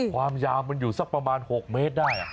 ความยาวมันอยู่สักประมาณ๖เมตรได้